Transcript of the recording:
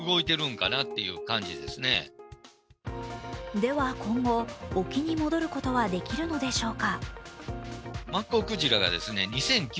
では、今後、沖に戻ることはできるのでしょうか。